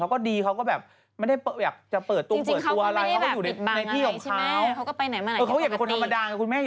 เขาก็เป็นคนธรรมดาก่อนคุณแม่